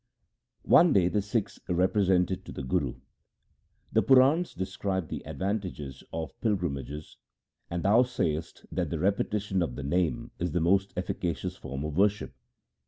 One day the Sikhs represented to the Guru :' The Purans describe the advantages of pilgrimages, and thou sayest that the repetition of the Name is the most efficacious form of worship.